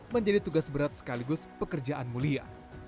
menjadi tugas berat sekaligus pekerjaan mulia